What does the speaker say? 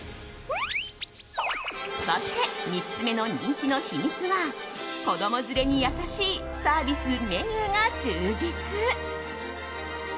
そして３つ目の人気の秘密は子供連れに優しいサービス、メニューが充実。